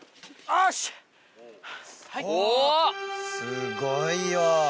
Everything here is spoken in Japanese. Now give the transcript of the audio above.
すごいよ。